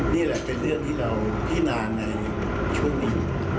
นี่แหละเป็นเรื่องที่เราพินาในชุดนี้